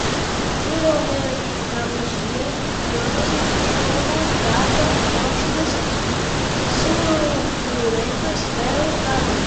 pirometalúrgica, bronze, chumbo, prata, óxidos, sulfuretos, ferro, carvão